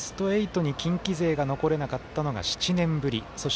ベスト８に近畿勢が残れなかったのが７年ぶり。